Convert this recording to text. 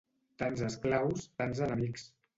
Tants esclaus, tants enemics.